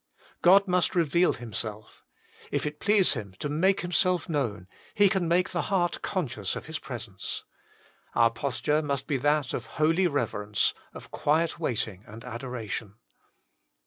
God must reveal Himself. If it please Him to make Himself known, He can make the heart conscious of His presence. Our posture must be that of holy reverence, of quiet waiting and adoration.